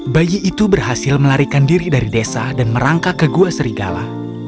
bayi itu berhasil melarikan diri dari desa dan merangkak ke gua serigala